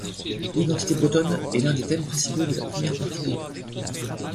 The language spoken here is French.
L'identité bretonne est l'un des thèmes principaux de la première partie de l'ouvrage.